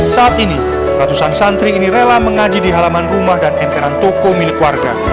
saat ini ratusan santri ini rela mengaji di halaman rumah dan emperan toko milik warga